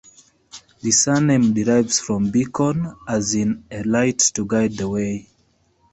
The surname derives from beacon, as in a light to guide the way.